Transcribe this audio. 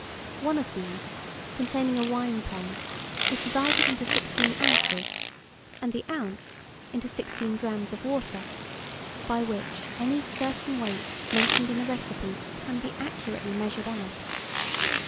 One of these, containing a wine pint, is divided into 16 oz., and the oz, into 8 drachms of water; by which, any certain weight mentioned in a recipe can be accurately measured out.